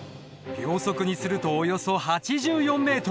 秒速にするとおよそ８４ｍ。